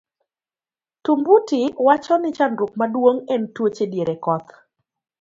Tumbuti wacho ni chandruok maduong' en tuoche diere koth.